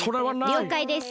りょうかいです。